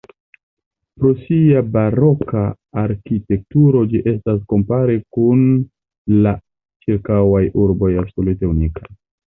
Pro sia baroka arkitekturo ĝi estas kompare kun la ĉirkaŭaj urboj absolute unika.